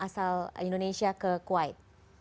kalau indonesia ke kuwait